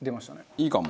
いいかも。